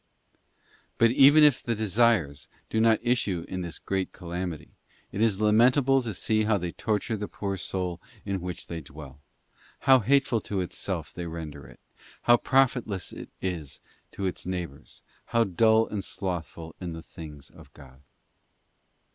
§ But even if the desires do not issue in this great calamity, it is lamentable to see how they torture the poor soul in which they dwell—how hateful to itself they render it, how profitless to its neighbours, how dull and slothful in the things of God.